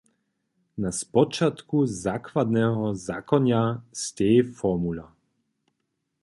Na spočatku zakładneho zakonja steji formula.